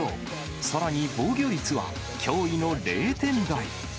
さらに防御率は、驚異の０点台。